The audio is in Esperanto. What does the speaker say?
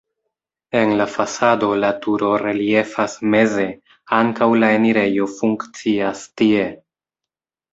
En la fasado la turo reliefas meze, ankaŭ la enirejo funkcias tie.